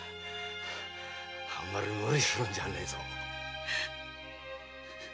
あんまり無理するんじゃねえぞ。